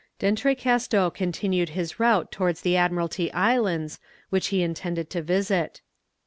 D'Entrecasteaux continued his route towards the Admiralty Islands, which he intended to visit.